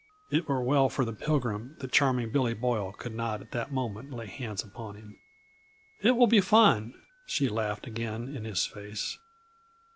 It were well for the Pilgrim that Charming Billy Boyle could not at that moment lay hands upon him. "It will be fun," she laughed again in his face.